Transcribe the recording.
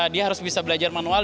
dia harus bisa belajar manual